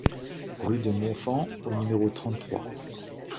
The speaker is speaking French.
Rue de Montfand au numéro trente-trois